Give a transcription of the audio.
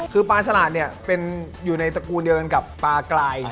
คือปลาฉลาดเนี่ยเป็นอยู่ในตระกูลเดินกับปลากลาย